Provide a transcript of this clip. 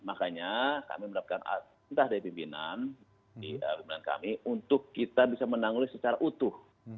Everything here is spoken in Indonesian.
makanya kami mendapatkan antara pimpinan pimpinan kami untuk kita bisa menanggung secara utuh